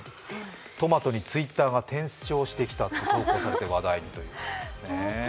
トマトにＴｗｉｔｔｅｒが転生してきたと投稿されて話題に。